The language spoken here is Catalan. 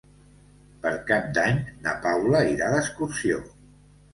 Per Cap d'Any na Paula irà d'excursió.